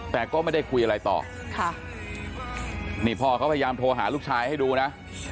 แต่ก็ไม่ได้คุยอะไรต่อค่ะนี่พ่อเขาพยายามโทรหาลูกชายให้ดูนะ